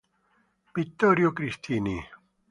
Vittorio Cristini